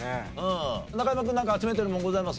中山君なんか集めてるものございます？